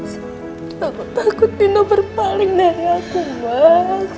sangat takut takut nino berpaling dari aku